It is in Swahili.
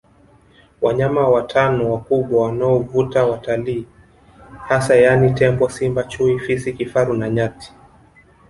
Wanyama watano wakubwa wanaovuta watalii hasa yaani tembo Simba Chui Fisi Kifaru na Nyati